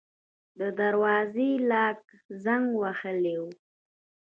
د دروازې لاک زنګ وهلی و.